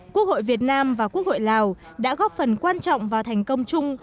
quốc hội việt nam và quốc hội lào đã góp phần quan trọng vào thành công chung